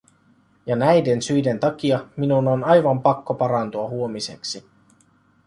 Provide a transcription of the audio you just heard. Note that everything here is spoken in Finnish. Ja näiden syiden takia minun on aivan pakko parantua huomiseksi.